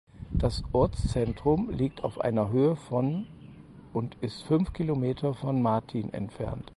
Das Ortszentrum liegt auf einer Höhe von und ist fünf Kilometer von Martin entfernt.